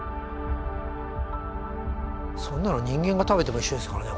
そんなの人間が食べても一緒ですからね